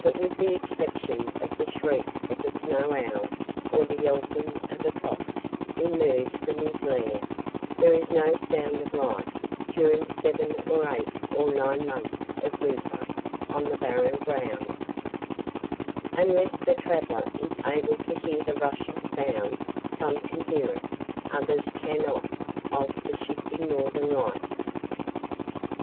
But with the exception of the shriek of the snow owl or the yelping of a fox emerged from his lair, there is no sound of life during seven or eight or nine months of winter on the Barren Grounds; unless the traveller is able to hear the rushing sound some can hear it, others cannot of the shifting Northern lights.